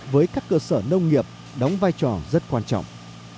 với các cơ sở nông nghiệp đóng vai trò rất quan trọng